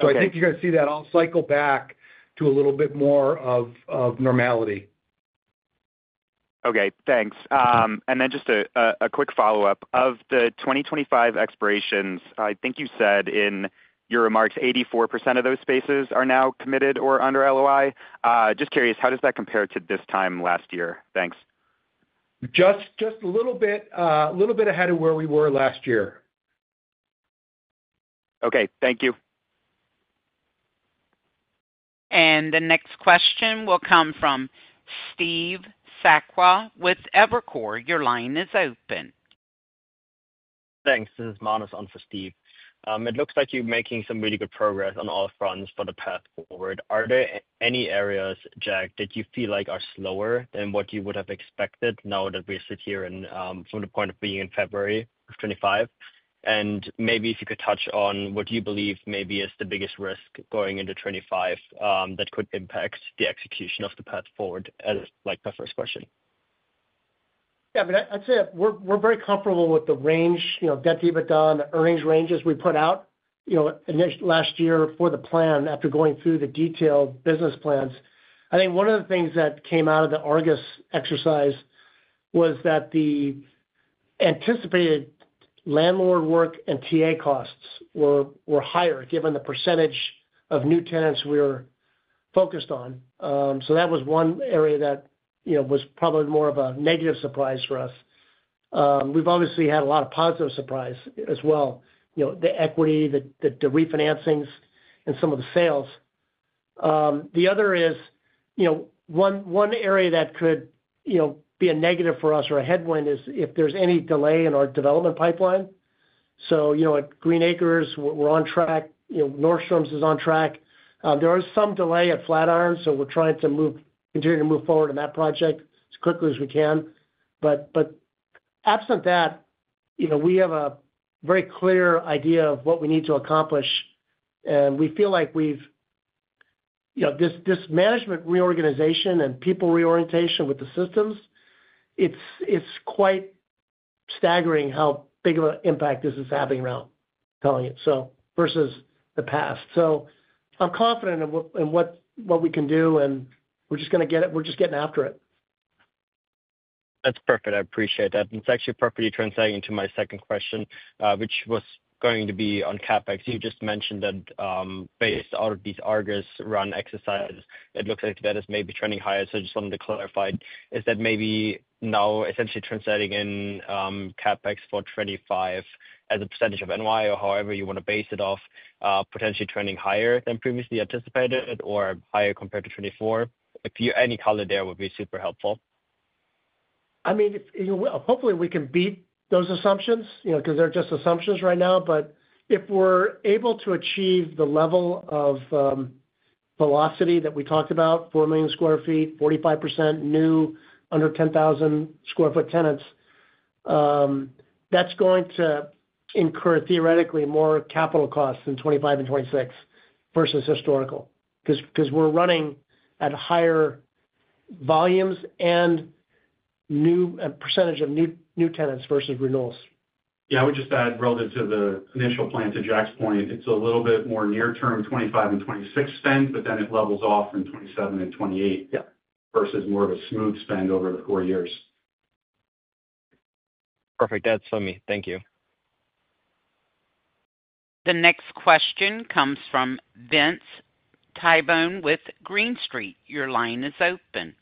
I think you're going to see that all cycle back to a little bit more of normality. Okay. Thanks. And then just a quick follow-up. Of the 2025 expirations, I think you said in your remarks, 84% of those spaces are now committed or under LOI. Just curious, how does that compare to this time last year? Thanks. Just a little bit ahead of where we were last year. Okay. Thank you. And the next question will come from Steve Sakwa with Evercore. Your line is open. Thanks. This is Manus on for Steve. It looks like you're making some really good progress on all fronts for the path forward. Are there any areas, Jack, that you feel like are slower than what you would have expected now that we sit here from the point of being in February of 2025? And maybe if you could touch on what you believe maybe is the biggest risk going into 2025 that could impact the execution of the path forward, as like my first question. Yeah. I mean, I'd say we're very comfortable with the range, debt to EBITDA, the earnings ranges we put out last year for the plan after going through the detailed business plans. I think one of the things that came out of the Argus exercise was that the anticipated landlord work and TA costs were higher given the percentage of new tenants we were focused on. So that was one area that was probably more of a negative surprise for us. We've obviously had a lot of positive surprise as well, the equity, the refinancings, and some of the sales. The other is one area that could be a negative for us or a headwind is if there's any delay in our development pipeline. So at Green Acres, we're on track. Nordstrom is on track. There is some delay at FlatIron, so we're trying to continue to move forward in that project as quickly as we can. But absent that, we have a very clear idea of what we need to accomplish. And we feel like this management reorganization and people reorientation with the systems, it's quite staggering how big of an impact this is having around telling it versus the past. So I'm confident in what we can do, and we're just going to get it. We're just getting after it. That's perfect. I appreciate that. And it's actually perfectly translating into my second question, which was going to be on CapEx. You just mentioned that based out of these Argus run exercises, it looks like that is maybe trending higher. So I just wanted to clarify, is that maybe now essentially translating in CapEx for 2025 as a percent of NOI or however you want to base it off, potentially trending higher than previously anticipated or higher compared to 2024? Any color there would be super helpful. I mean, hopefully, we can beat those assumptions because they're just assumptions right now. But if we're able to achieve the level of velocity that we talked about, 4 million sq ft, 45% new under 10,000 sq ft tenants, that's going to incur theoretically more capital costs in 2025 and 2026 versus historical because we're running at higher volumes and percentage of new tenants versus renewals. Yeah. I would just add relative to the initial plan, to Jack's point, it's a little bit more near-term 2025 and 2026 spend, but then it levels off in 2027 and 2028 versus more of a smooth spend over the four years. Perfect. That's for me. Thank you. The next question comes from Vince Tibone with Green Street. Your line is open.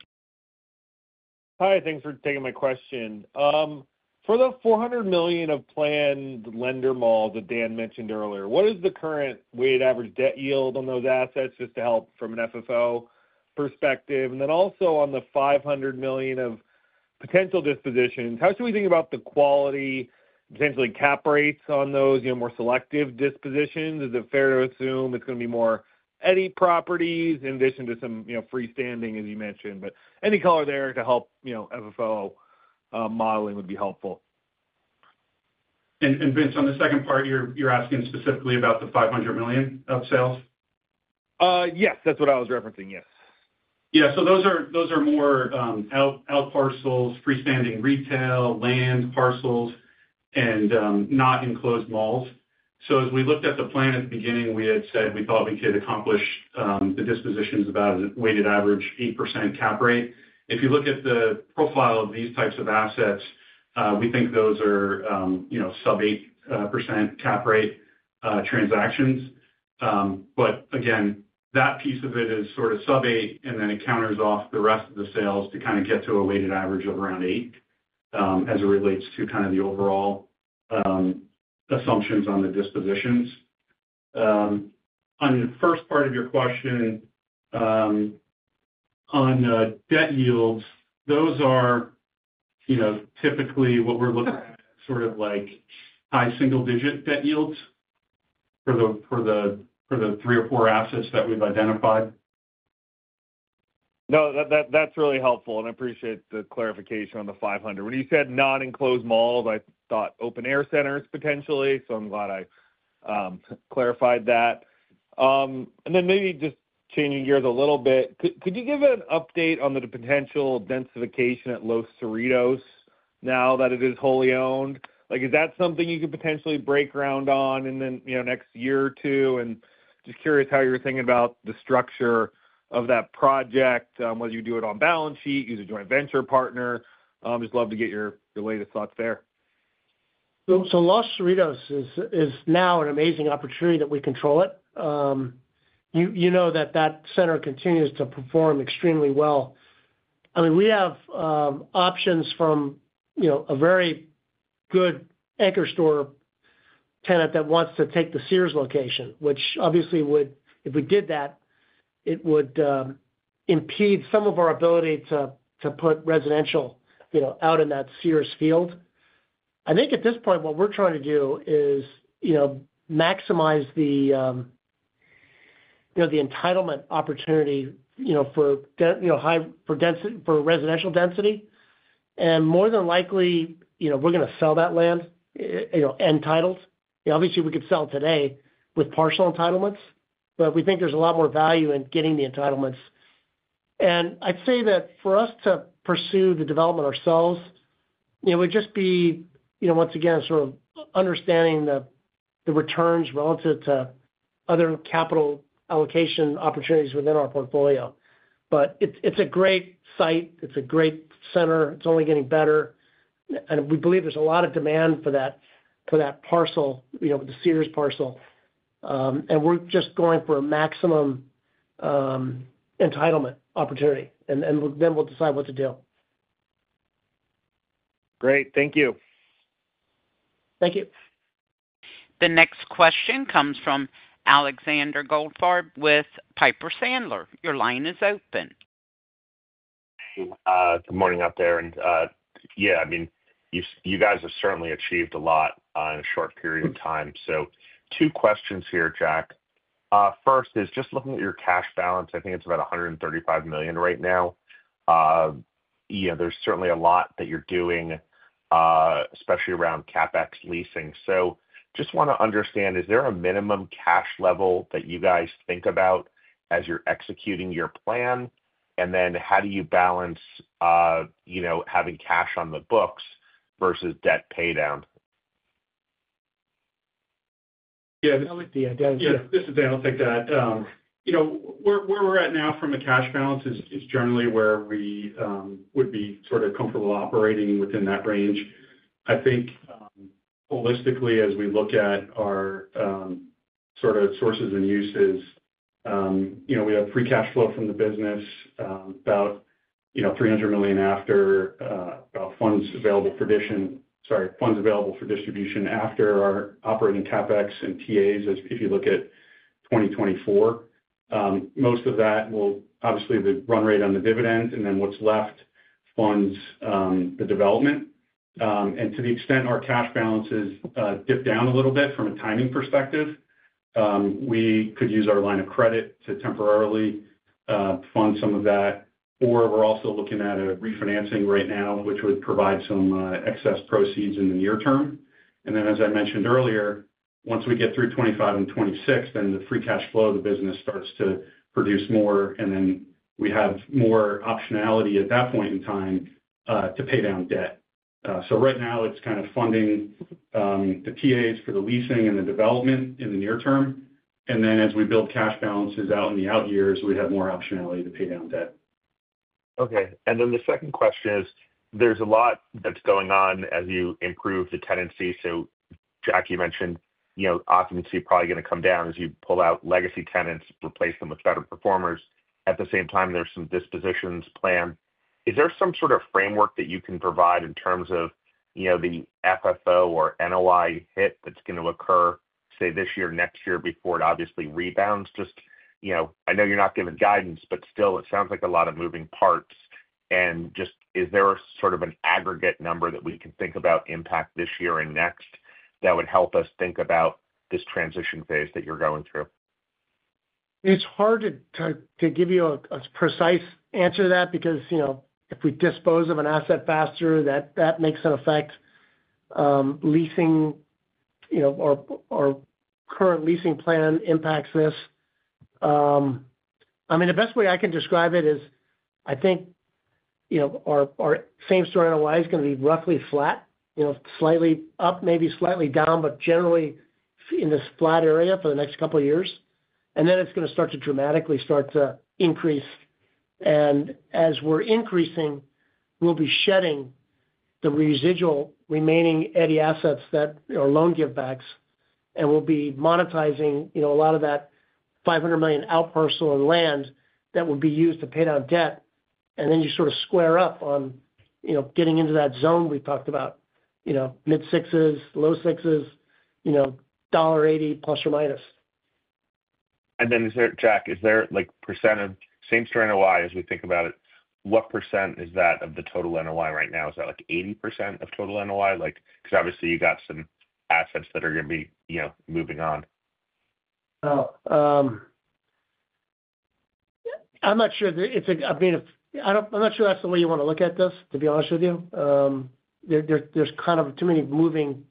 Hi. Thanks for taking my question. For the $400 million of planned land remodel that Dan mentioned earlier, what is the current weighted average debt yield on those assets just to help from an FFO perspective? And then also on the $500 million of potential dispositions, how should we think about the quality, potentially cap rates on those more selective dispositions? Is it fair to assume it's going to be more Eddy properties in addition to some freestanding, as you mentioned? But any color there to help FFO modeling would be helpful. Vince, on the second part, you're asking specifically about the $500 million of sales? Yes. That's what I was referencing. Yes. Yeah. So those are more out parcels, freestanding retail, land parcels, and not enclosed malls. So as we looked at the plan at the beginning, we had said we thought we could accomplish the dispositions about a weighted average 8% cap rate. If you look at the profile of these types of assets, we think those are sub-8% cap rate transactions. But again, that piece of it is sort of sub-8%, and then it counters off the rest of the sales to kind of get to a weighted average of around 8% as it relates to kind of the overall assumptions on the dispositions. On the first part of your question, on debt yields, those are typically what we're looking at, sort of like high single-digit debt yields for the three or four assets that we've identified. No, that's really helpful. And I appreciate the clarification on the $500 million. When you said non-enclosed malls, I thought open-air centers potentially. So I'm glad I clarified that. And then maybe just changing gears a little bit, could you give an update on the potential densification at Los Cerritos now that it is wholly owned? Is that something you could potentially break ground on in the next year or two? And just curious how you're thinking about the structure of that project, whether you do it on balance sheet, use a joint venture partner? Just love to get your latest thoughts there. So, Los Cerritos is now an amazing opportunity that we control. It. You know that that center continues to perform extremely well. I mean, we have options from a very good anchor store tenant that wants to take the Sears location, which obviously, if we did that, it would impede some of our ability to put residential out in that Sears field. I think at this point, what we're trying to do is maximize the entitlement opportunity for residential density, and more than likely, we're going to sell that land entitled. Obviously, we could sell today with partial entitlements, but we think there's a lot more value in getting the entitlements, and I'd say that for us to pursue the development ourselves, it would just be, once again, sort of understanding the returns relative to other capital allocation opportunities within our portfolio, but it's a great site. It's a great center. It's only getting better. And we believe there's a lot of demand for that parcel, the Sears parcel. And we're just going for a maximum entitlement opportunity, and then we'll decide what to do. Great. Thank you. Thank you. The next question comes from Alexander Goldfarb with Piper Sandler. Your line is open. Good morning out there. And yeah, I mean, you guys have certainly achieved a lot in a short period of time. So two questions here, Jack. First is just looking at your cash balance, I think it's about $135 million right now. There's certainly a lot that you're doing, especially around CapEx leasing. So just want to understand, is there a minimum cash level that you guys think about as you're executing your plan? And then how do you balance having cash on the books versus debt paydown? Yeah. Yeah. This is Dan. I'll take that. Where we're at now from a cash balance is generally where we would be sort of comfortable operating within that range. I think holistically, as we look at our sort of sources and uses, we have free cash flow from the business, about $300 million after, about Funds Available for Distribution after our operating CapEx and TAs, if you look at 2024. Most of that will obviously be the run rate on the dividend and then what's left funds the development. And to the extent our cash balances dip down a little bit from a timing perspective, we could use our line of credit to temporarily fund some of that. Or we're also looking at a refinancing right now, which would provide some excess proceeds in the near term. And then, as I mentioned earlier, once we get through 2025 and 2026, then the free cash flow of the business starts to produce more, and then we have more optionality at that point in time to pay down debt. So right now, it's kind of funding the TAs for the leasing and the development in the near term. And then as we build cash balances out in the out-years, we have more optionality to pay down debt. Okay. And then the second question is, there's a lot that's going on as you improve the tenancy. So Jack, you mentioned occupancy is probably going to come down as you pull out legacy tenants, replace them with better performers. At the same time, there's some dispositions planned. Is there some sort of framework that you can provide in terms of the FFO or NOI hit that's going to occur, say, this year, next year before it obviously rebounds? Just I know you're not giving guidance, but still, it sounds like a lot of moving parts. And just is there sort of an aggregate number that we can think about impact this year and next that would help us think about this transition phase that you're going through? It's hard to give you a precise answer to that because if we dispose of an asset faster, that makes an effect. Leasing or current leasing plan impacts this. I mean, the best way I can describe it is I think our same-store NOI is going to be roughly flat, slightly up, maybe slightly down, but generally in this flat area for the next couple of years. And then it's going to start to dramatically start to increase. And as we're increasing, we'll be shedding the residual remaining legacy assets that are loan givebacks, and we'll be monetizing a lot of that $500 million outparcel of land that would be used to pay down debt. And then you sort of square up on getting into that zone we talked about, mid-sixes, low sixes, $1.80±. And then Jack, is there a percent of same-store NOI as we think about it? What percent is that of the total NOI right now? Is that like 80% of total NOI? Because obviously, you got some assets that are going to be moving on. I'm not sure. I mean, I'm not sure that's the way you want to look at this, to be honest with you. There's kind of too many moving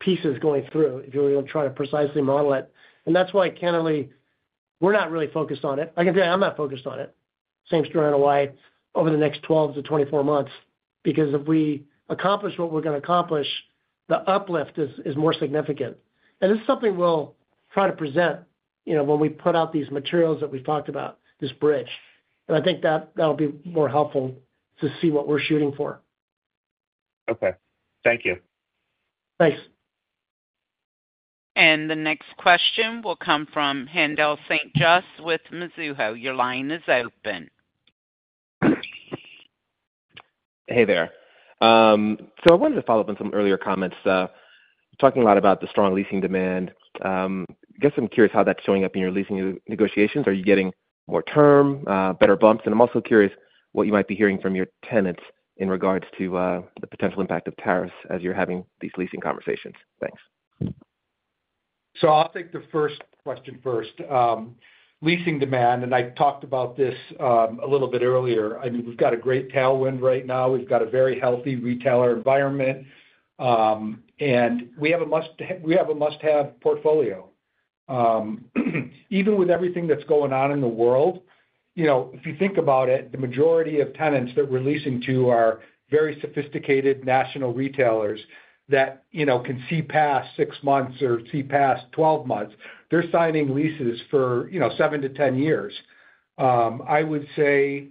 pieces going through if you're going to try to precisely model it. And that's why candidly, we're not really focused on it. I can tell you I'm not focused on it, same-store NOI, over the next 12-24 months because if we accomplish what we're going to accomplish, the uplift is more significant. And this is something we'll try to present when we put out these materials that we've talked about, this bridge. And I think that'll be more helpful to see what we're shooting for. Okay. Thank you. Thanks. And the next question will come from Haendel St. Juste with Mizuho. Your line is open. Hey there. So I wanted to follow up on some earlier comments. Talking a lot about the strong leasing demand, I guess I'm curious how that's showing up in your leasing negotiations. Are you getting more term, better bumps? And I'm also curious what you might be hearing from your tenants in regards to the potential impact of tariffs as you're having these leasing conversations. Thanks. So I'll take the first question first. Leasing demand, and I talked about this a little bit earlier. I mean, we've got a great tailwind right now. We've got a very healthy retailer environment. And we have a must-have portfolio. Even with everything that's going on in the world, if you think about it, the majority of tenants that we're leasing to are very sophisticated national retailers that can see past six months or see past 12 months. They're signing leases for 7-10 years. I would say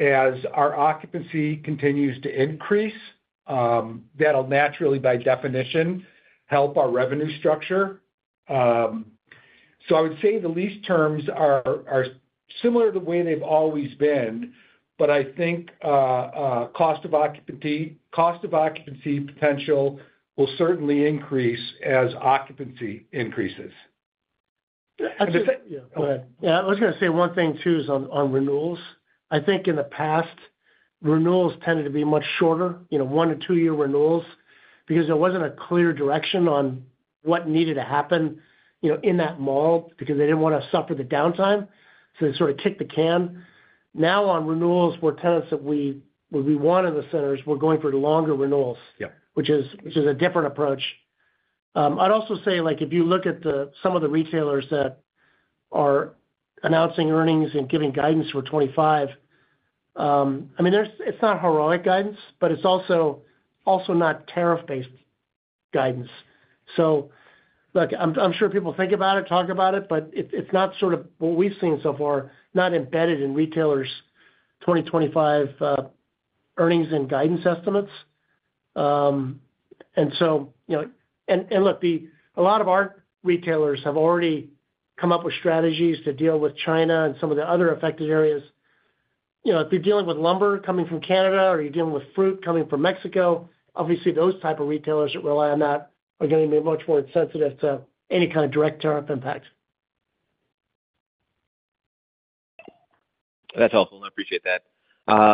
as our occupancy continues to increase, that'll naturally, by definition, help our revenue structure. So I would say the lease terms are similar to the way they've always been, but I think cost of occupancy potential will certainly increase as occupancy increases. Yeah. I was going to say one thing too is on renewals. I think in the past, renewals tended to be much shorter, one- to two-year renewals because there wasn't a clear direction on what needed to happen in that mall because they didn't want to suffer the downtime. So they sort of kicked the can. Now on renewals, where tenants that we want in the centers were going for longer renewals, which is a different approach. I'd also say if you look at some of the retailers that are announcing earnings and giving guidance for 2025, I mean, it's not heroic guidance, but it's also not tariff-based guidance. So look, I'm sure people think about it, talk about it, but it's not sort of what we've seen so far, not embedded in retailers' 2025 earnings and guidance estimates. And look, a lot of our retailers have already come up with strategies to deal with China and some of the other affected areas. If you're dealing with lumber coming from Canada or you're dealing with fruit coming from Mexico, obviously, those type of retailers that rely on that are going to be much more sensitive to any kind of direct tariff impact. That's helpful. I appreciate that.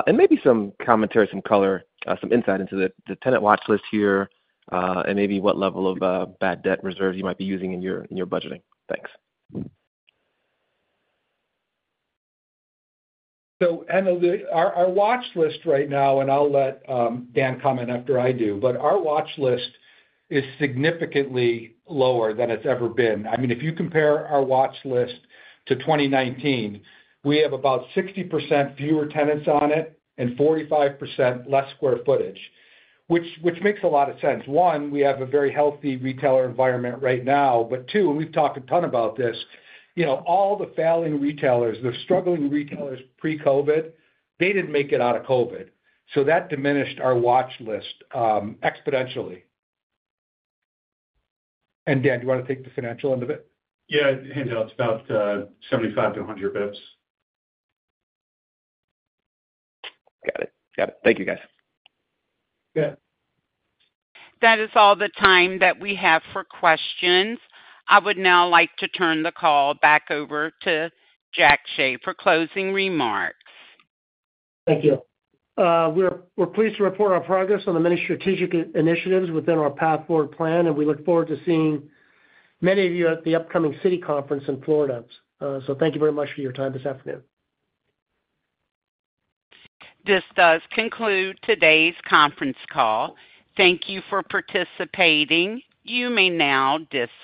And maybe some commentary, some color, some insight into the tenant watchlist here and maybe what level of bad debt reserves you might be using in your budgeting? Thanks. So our watchlist right now, and I'll let Dan comment after I do, but our watchlist is significantly lower than it's ever been. I mean, if you compare our watchlist to 2019, we have about 60% fewer tenants on it and 45% less square footage, which makes a lot of sense. One, we have a very healthy retailer environment right now. But two, and we've talked a ton about this, all the failing retailers, the struggling retailers pre-COVID, they didn't make it out of COVID. So that diminished our watchlist exponentially. And Dan, do you want to take the financial end of it? Yeah. Haendel's about 75-100 basis points. Got it. Got it. Thank you, guys. Good. That is all the time that we have for questions. I would now like to turn the call back over to Jack Hsieh for closing remarks. Thank you. We're pleased to report our progress on the many strategic initiatives within our Path Forward plan, and we look forward to seeing many of you at the upcoming Citi conference in Florida. So thank you very much for your time this afternoon. This does conclude today's conference call. Thank you for participating. You may now disconnect.